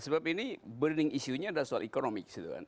sebab ini burning issuenya adalah soal ekonomi